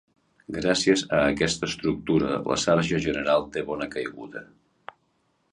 Gràcies a aquesta estructura, la sarja generalment té bona caiguda.